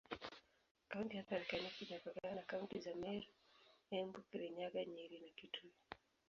Kaunti ya Tharaka Nithi imepakana na kaunti za Meru, Embu, Kirinyaga, Nyeri na Kitui.